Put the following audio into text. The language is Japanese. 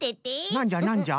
なんじゃなんじゃ？